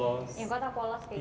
karena bisa dipakai di semua tempat